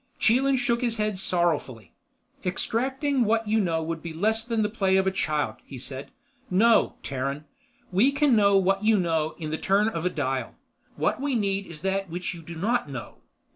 Chelan shook his head sorrowfully. "Extracting what you know would be less than the play of a child," he said. "No, Terran. We can know what you know in the turn of a dial. What we need is that which you do not know.